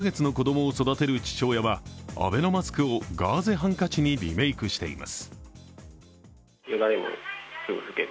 ７カ月の子供を育てる父親はアベノマスクをガーゼハンカチにリメークしています。